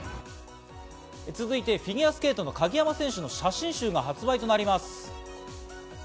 続いてフィギュアスケートの鍵山選手の写真集が発売となります。